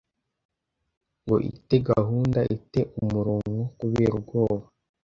ngo ite gahunda, ite umuronko kubera ubwoba